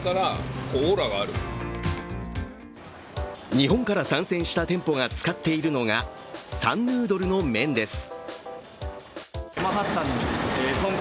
日本から参戦した店舗が使っているのがサンヌードルの麺です。